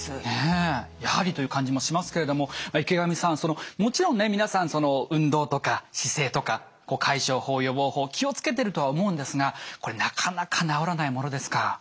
ねえやはりという感じもしますけれども池上さんそのもちろんね皆さん運動とか姿勢とか解消法予防法気を付けてるとは思うんですがこれなかなか治らないものですか？